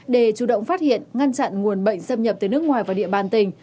để chủ động phát hiện ngăn chặn nguồn bệnh xâm nhập tới nước ngoài và địa bàn tỉnh